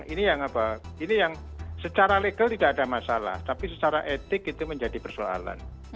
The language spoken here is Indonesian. ini yang secara legal tidak ada masalah tapi secara etik itu menjadi persoalan